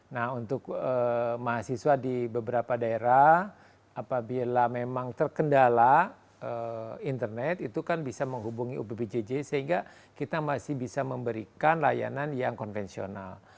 nah untuk mahasiswa di beberapa daerah apabila memang terkendala internet itu kan bisa menghubungi ubpjj sehingga kita masih bisa memberikan layanan yang konvensional